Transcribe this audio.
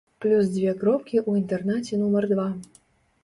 Плюс дзве кропкі ў інтэрнаце нумар два.